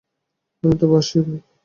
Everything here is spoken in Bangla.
আমি তবে আসি ভাই!